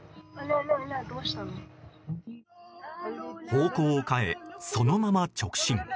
方向を変え、そのまま直進。